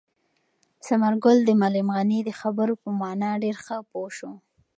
ثمر ګل د معلم غني د خبرو په مانا ډېر ښه پوه شو.